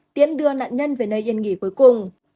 tiễn đưa nạn nhân về nơi yên nghỉ cuối cùng